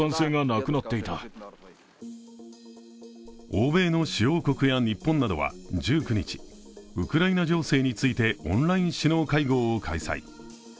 欧米の主要国や日本などは１９日、ウクライナ情勢についてオンライン首脳会合を開催。